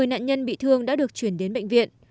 một mươi nạn nhân bị thương đã được chuyển đến bệnh viện